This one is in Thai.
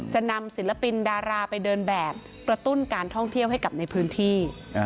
จะนำศิลปินดาราไปเดินแบบกระตุ้นการท่องเที่ยวให้กับในพื้นที่